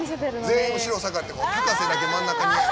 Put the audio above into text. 全員後ろ下がって高瀬だけ真ん中に。